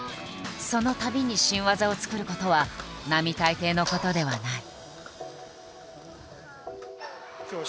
そのたびに新技を作ることは並大抵のことではない。